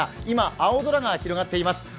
今、青空が広がっています。